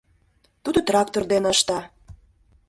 Тудо трактор дене ышта.